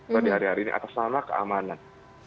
atau di hari hari ini atas nama keamanan